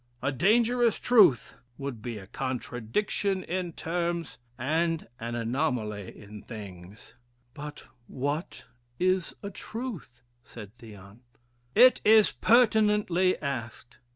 A dangerous truth would be a contradiction in terms, and an anomaly in things." "But what is a truth?" said Theon. "It is pertinently asked.